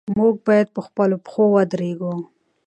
موږ باید پر خپلو پښو ودرېږو.